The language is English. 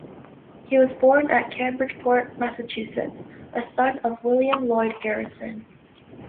He was born at Cambridgeport, Massachusetts, a son of William Lloyd Garrison.